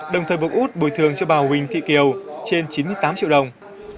đồng thời buộc út bồi thường cho bà huỳnh thị kiều trên chín mươi tám triệu đồng